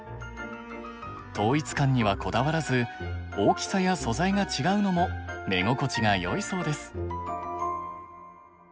統一感にはこだわらず大きさや素材が違うのも目心地がよいそうです。